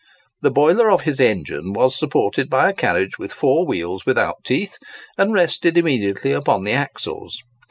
The boiler of his engine was supported by a carriage with four wheels without teeth, and rested immediately upon the axles.